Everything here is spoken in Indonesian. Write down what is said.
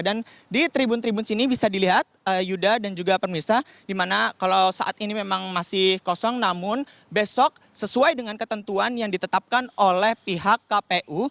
dan di tribun tribun sini bisa dilihat yudha dan juga permirsa di mana kalau saat ini memang masih kosong namun besok sesuai dengan ketentuan yang ditetapkan oleh pihak kpu